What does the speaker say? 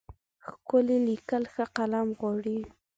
ښکلي لیکل ښه قلم غواړي.